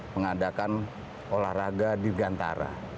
mengadakan olahraga dirgantara